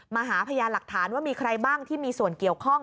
หาพยานหลักฐานว่ามีใครบ้างที่มีส่วนเกี่ยวข้อง